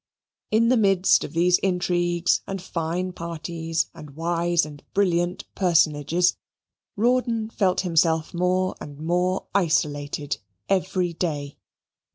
In the midst of these intrigues and fine parties and wise and brilliant personages Rawdon felt himself more and more isolated every day.